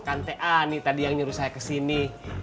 kan teh ani tadi yang nyuruh saya ke sini